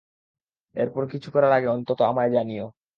এরপর কিছু করার আগে অন্তত আমায় জানিও!